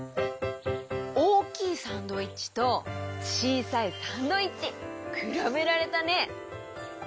おおきいサンドイッチとちいさいサンドイッチ！くらべられたね！